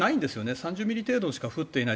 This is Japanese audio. ３０ミリ程度しか降っていない